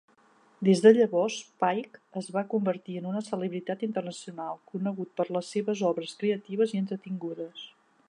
Des de llavors, Paik es va convertir en una celebritat internacional, conegut per les seves obres creatives i entretingudes.